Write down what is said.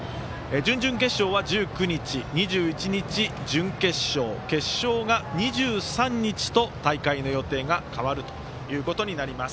準々決勝は１９日２１日、準決勝決勝が２３日と大会の予定が変わるということになります。